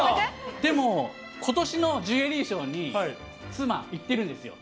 でもことしのジュエリーしょうに妻、行ってるんですよ。